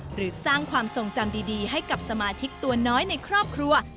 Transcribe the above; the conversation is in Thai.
หรือสร้างความทรงจำดีให้กับสมาชิกตัวน้อยในครอบครัว